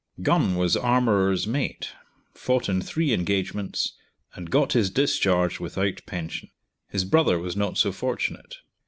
Gun was armorer's mate, fought in three engagements, and got his discharge without pension. His brother was not so fortunate.